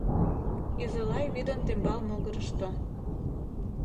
Изылай вӱдын тембал могырышто